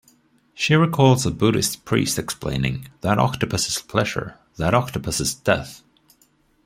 She recalls a Buddhist priest explaining: That octopus is Pleasure... That octopus is Death!